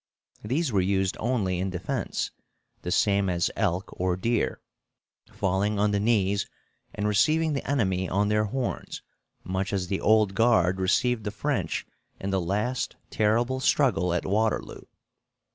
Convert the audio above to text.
These were used only in defense, the same as elk or deer, falling on the knees and receiving the enemy on their horns, much as the Old Guard received the French in the last terrible struggle at Waterloo.